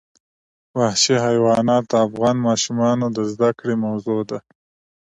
وحشي حیوانات د افغان ماشومانو د زده کړې موضوع ده.